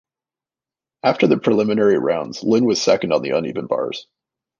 After the preliminary rounds Lin was second on the uneven bars.